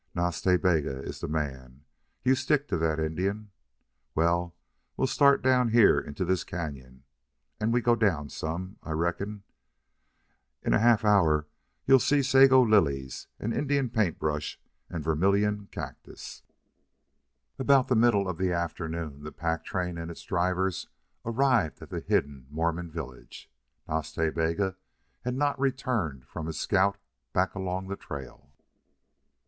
Nas Ta Bega is the man. You stick to that Indian. ... Well, we start down here into this cañon, and we go down some, I reckon. In half an hour you'll see sago lilies and Indian paint brush and vermilion cactus." ........... About the middle of the afternoon the pack train and its drivers arrived at the hidden Mormon village. Nas Ta Bega had not returned from his scout back along the trail.